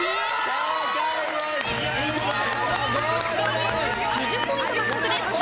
２０ポイント獲得です。